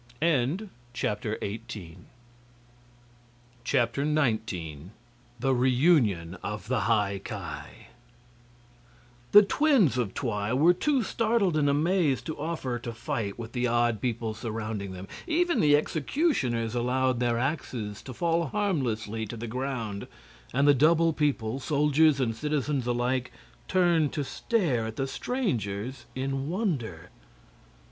19. The Reunion of the High Ki The twins of Twi were too startled and amazed to offer to fight with the odd people surrounding them. Even the executioners allowed their axes to fall harmlessly to the ground, and the double people, soldiers and citizens alike, turned to stare at the strangers in wonder.